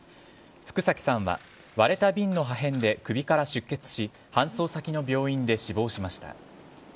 福崎さんは割れた瓶の破片で首から出血し搬送先の病院で死亡しました。